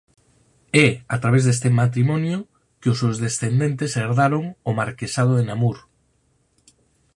É a través deste matrimonio que os seus descendentes herdaron o marquesado de Namur.